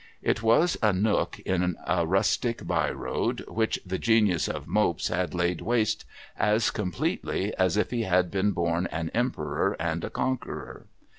It was a nook in a rustic by road, which the genius of Mopes had laid waste as completely, as if he had been born an Emperor and a Conqueror.